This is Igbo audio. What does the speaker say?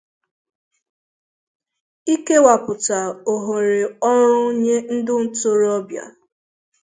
ikewàpụta ohere ọrụ nye ndị ntorobịa